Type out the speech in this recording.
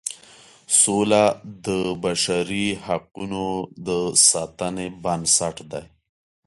سوله د بشري حقوقو د ساتنې بنسټ دی.